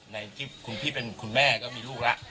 ในที่คุณพี่เป็นคุณแม่ก็มีลูกแล้ว